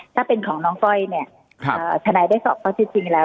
ถ้าเป็นของน้องก้อยเนี่ยครับอ่าทนายได้สอบตัวจริงจริงแล้ว